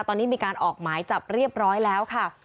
ตอนนี้มีการออกหมายจับเรียบร้อยแล้วค่ะ